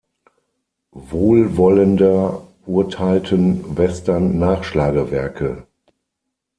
Wohlwollender urteilten Western-Nachschlagewerke.